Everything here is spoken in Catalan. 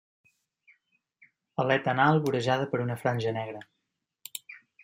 Aleta anal vorejada per una franja negra.